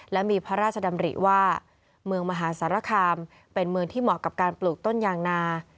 และมีพระราชดำริว่าเมืองมหาสารคามเป็นเมืองที่เหมาะกับการปลูกต้นยางนา